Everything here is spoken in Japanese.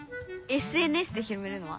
ＳＮＳで広めるのは？